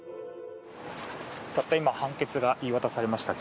たった今判決が言い渡されました。